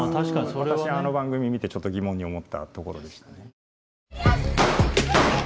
私あの番組見てちょっと疑問に思ったところです。